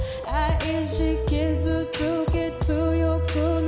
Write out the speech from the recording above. はい。